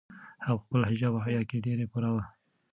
هغه په خپل حجاب او حیا کې ډېره پوره وه.